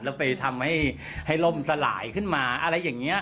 แล้วไปทำให้ล่มสลายขึ้นมาอะไรอย่างนี้